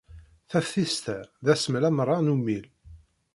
Taftist-a d asmel amerran ummil.